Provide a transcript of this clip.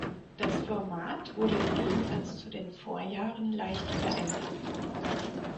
Das Format wurde im Gegensatz zu den Vorjahren leicht verändert.